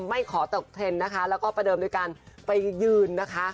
ไม่ขอตกเทรนด์นะคะแล้วก็ประเดิมด้วยการไปยืนนะคะ